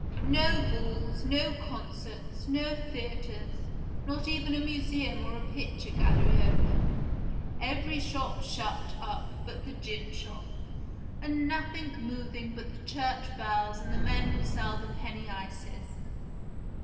No balls, no concerts, no theaters, not even a museum or a picture gallery open; every shop shut up but the gin shop; and nothing moving but the church bells and the men who sell the penny ices.